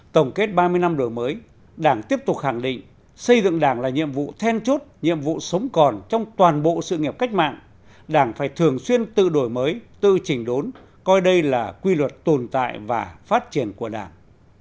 tổng kết ba mươi năm đổi mới đảng tiếp tục khẳng định xây dựng đảng là nhiệm vụ then chốt nhiệm vụ sống còn trong toàn bộ sự nghiệp cách mạng đảng phải thường xuyên tự đổi mới tự trình đốn coi đây là quy luật tồn tại và phát triển của đảng